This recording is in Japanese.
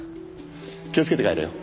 気をつけて帰れよ。